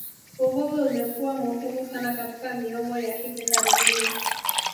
Uvuvi umekuwa muhimu sana katika miongo ya hivi karibuni